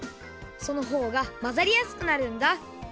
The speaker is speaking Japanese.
そのほうがまざりやすくなるんだ。